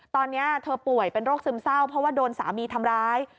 ตอนนี้เธอป่วยเป็นโรคซึมเศร้าเพราะว่าโดนสามีทำร้าย